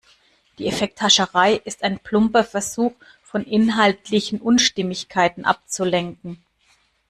Die Effekthascherei ist ein plumper Versuch, von inhaltlichen Unstimmigkeiten abzulenken.